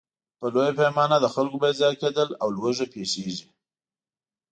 په لویه پیمانه د خلکو بېځایه کېدل او لوږه پېښېږي.